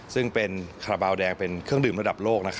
ซึ่งเป็นคาราบาลแดงเป็นเครื่องดื่มระดับโลก